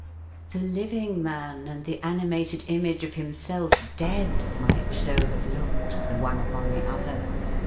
The living man, and the animated image of himself dead, might so have looked, the one upon the other.